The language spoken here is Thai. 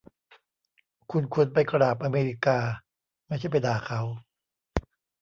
คุณควรไปกราบอเมริกา ไม่ใช่ไปด่าเขา